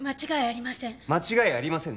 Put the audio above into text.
間違いありません